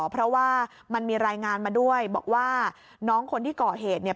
เพราะว่ามันมีรายงานมาด้วยบอกว่าน้องคนที่ก่อเหตุเนี่ย